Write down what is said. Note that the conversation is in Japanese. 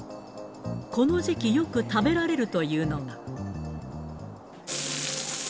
この時期よく食べられるというのが。